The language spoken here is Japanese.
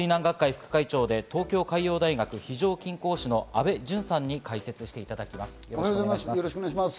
今朝は水難学会副会長で東京海洋大学非常勤講師の安倍淳さんに解説していただきます。